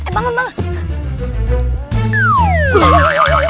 eh eh bangun bangun